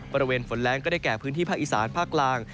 บริเวณฝนแรงก็ได้แก่บริเวณพื้นที่ภาคอีสานฝั่งฝั่ง